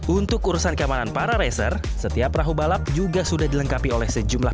untuk urusan keamanan para racer setiap perahu balap juga sudah dilengkapi oleh sejumlah